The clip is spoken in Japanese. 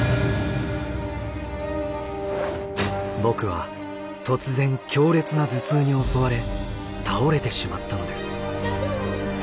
僕は突然強烈な頭痛に襲われ倒れてしまったのです。